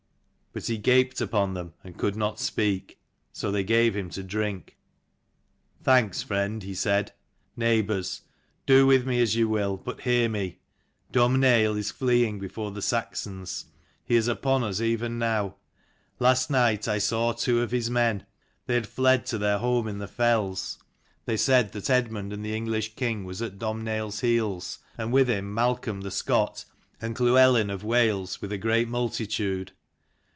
But he gaped upon them and could not speak. So they gave him to drink. "Thanks, friend," he said. "Neighbours, do with me as you will, but hear me. Domh naill is fleeing before the Saxons. He is upon us even now. Last night I saw two of his men : they had fled to their home in the fells. They said that Eadmund the English king was at DomhnaiU's heels, and with him Malcolm the Scot and Llewelyn of Wales with a great multitude.